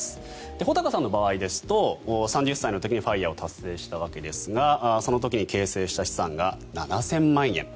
穂高さんの場合ですと３０歳の時にＦＩＲＥを達成したわけですがその時に形成した資産が７０００万円。